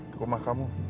ke rumah kamu